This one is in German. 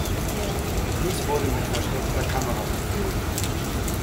Dies wurde mit versteckter Kamera gefilmt.